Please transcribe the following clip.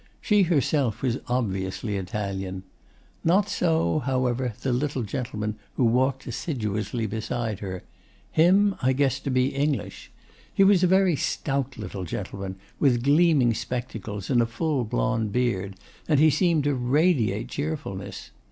She herself was obviously Italian. Not so, however, the little gentleman who walked assiduously beside her. Him I guessed to be English. He was a very stout little gentleman, with gleaming spectacles and a full blond beard, and he seemed to radiate cheerfulness.